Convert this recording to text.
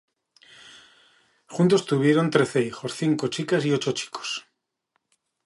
Juntos tuvieron trece hijos, cinco chicas y ocho chicos.